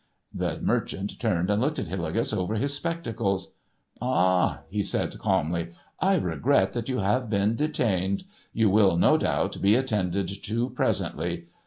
The merchant turned and looked at Hillegas over his spectacles. "Ah," he said, calmly, "I regret that you have been detained. You will, no doubt, be attended to presently.